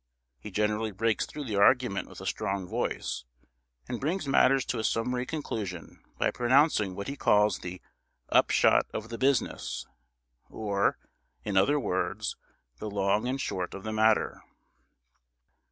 He generally breaks through the argument with a strong voice, and brings matters to a summary conclusion, by pronouncing what he calls the "upshot of the business," or, in other words, "the long and short of the matter."